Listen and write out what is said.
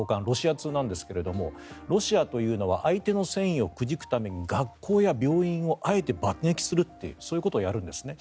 ロシア通なんですがロシアというのは相手の戦意をくじくために学校や病院をあえて爆撃するっていうそういうことをやるんです。